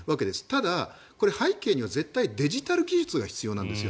ただ、背景には絶対デジタル技術が必要なんです。